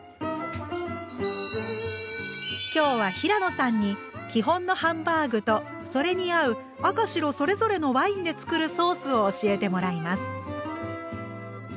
今日は平野さんに基本のハンバーグとそれに合う赤白それぞれのワインで作るソースを教えてもらいます。